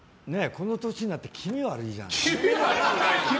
この年になって気味悪いじゃん。